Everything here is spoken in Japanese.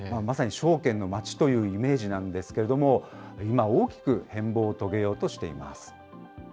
まさに証券の街というイメージなんですけれども、今、大きく変貌を遂げようとしています。